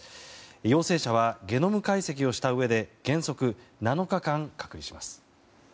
陽性者はゲノム解析をしたうえで原則７日間隔離します。